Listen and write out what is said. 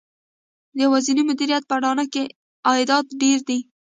د یوازېني مدیریت په اډانه کې عایدات ډېر دي